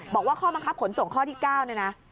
บอกว่าข้อบังคับขนส่งข้อที่๙เนี่ยนะ